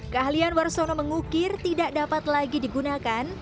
keahlian warsono mengukir tidak dapat lagi digunakan